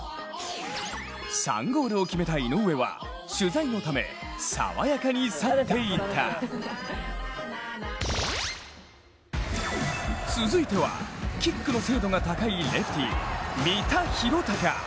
３ゴールを決めた井上は取材のため続いては、キックの精度が高いレフティー、三田啓貴。